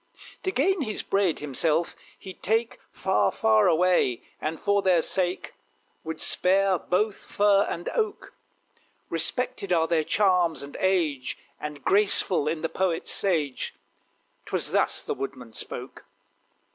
To gain his bread himself he'd take Far, far away; and, for their sake. [Illustration: THE FOREST AND THE WOODMAN.] Would spare both fir and oak. "Respected are their charms and age, And graceful in the poet's page" 'Twas thus the Woodman spoke.